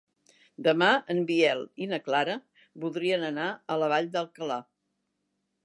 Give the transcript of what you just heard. Demà en Biel i na Clara voldrien anar a la Vall d'Alcalà.